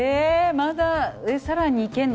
まだ更にいけるの？